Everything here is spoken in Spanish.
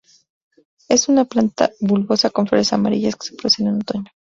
Es una planta bulbosa con flores amarillas que se producen en otoño.